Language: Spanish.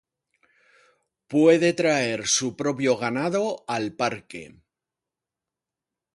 Puede traer su propio ganado al parque.